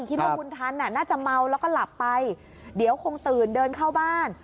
คิดว่าบุญทันน่าจะเมาแล้วก็หลับไปเดี๋ยวคงตื่นเดินเข้าบ้าน